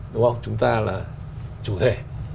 đúng không chúng ta là chủ thể